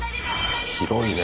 広いね。